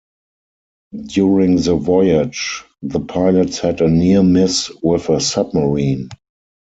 During the voyage, the pilots had a near-miss with a submarine.